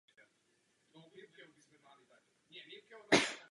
Máte toho před sebou hodně.